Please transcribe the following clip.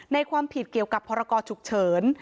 ในความผิดเกี่ยวกับภาระกอร์ฉุกเฉิน